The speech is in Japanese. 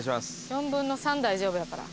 ４分の３大丈夫やから。